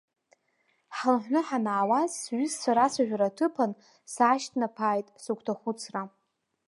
Ҳхынҳәны ҳанаауаз, сҩызцәа рацәажәара аҭыԥан, саашьҭнаԥааит сыгәҭахәыцра.